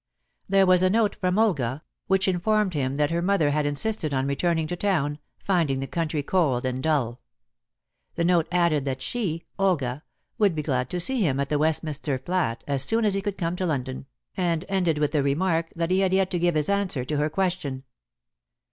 There was a note from Olga, which informed him that her mother had insisted on returning to town, finding the country cold and dull. The note added that she Olga would be glad to see him at the Westminster flat as soon as he could come to London, and ended with the remark that he had yet to give his answer to her question.